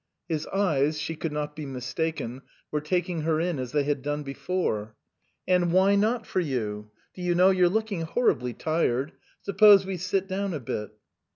His eyes she could not be mistaken were taking her in as they had done before. " And why not for you ? Do you know, you're looking horribly tired. Suppose we sit down a bit."